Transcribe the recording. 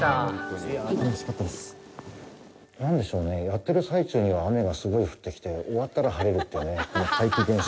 なんでしょうね、やってる最中には雨がすごい降ってきて、終わったら晴れるっていうね、この怪奇現象。